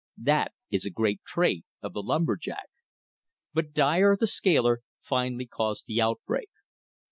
That is a great trait of the lumber jack. But Dyer, the scaler, finally caused the outbreak.